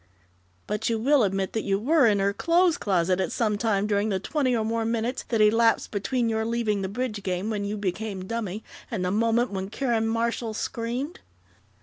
"But you will admit that you were in her clothes closet at some time during the twenty or more minutes that elapsed between your leaving the bridge game, when you became dummy, and the moment when Karen Marshall screamed?"